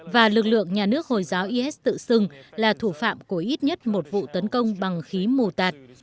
và lực lượng nhà nước hồi giáo is tự xưng là thủ phạm của ít nhất một vụ tấn công bằng khí mù tạt